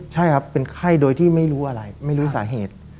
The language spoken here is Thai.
ใช่ครับเป็นไข้โดยที่ไม่รู้อะไรไม่รู้สาเหตุ